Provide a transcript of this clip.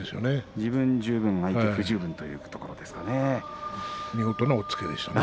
自分十分、不十分というところでしょうかね。